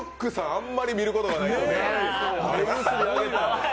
あんまり見ることない。